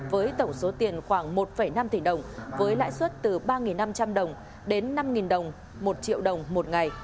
với tổng số tiền khoảng một năm tỷ đồng với lãi suất từ ba năm trăm linh đồng đến năm đồng một triệu đồng một ngày